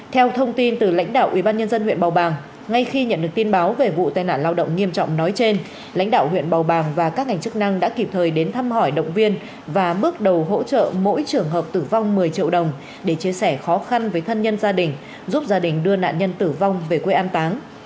theo thông tin từ lãnh đạo ubnd huyện bầu bàng ngay khi nhận được tin báo về vụ tai nạn lao động nghiêm trọng nói trên lãnh đạo huyện bầu bàng và các ngành chức năng đã kịp thời đến thăm hỏi động viên và bước đầu hỗ trợ mỗi trường hợp tử vong một mươi triệu đồng để chia sẻ khó khăn với thân nhân gia đình giúp gia đình đưa nạn nhân tử vong về quê an táng